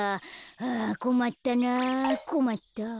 あこまったなぁこまったぁ。